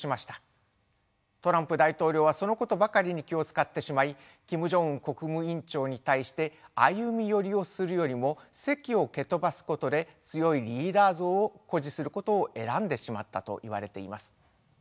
トランプ大統領はそのことばかりに気を遣ってしまいキム・ジョンウン国務委員長に対して歩み寄りをするよりも席を蹴飛ばすことで強いリーダー像を誇示することを選んでしまったといわれています。